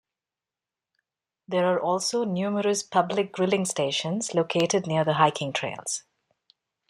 There are also numerous public grilling stations located near the hiking trails.